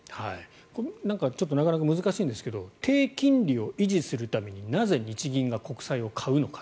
これ、ちょっとなかなか難しいんですが低金利を維持するためになぜ日銀が国債を買うのか。